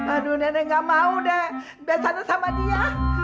aduh nenek gak mau deh besannya sama dia